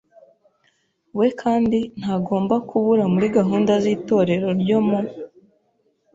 we kandi ntagomba kubura muri gahunda z’Itorero ryo mu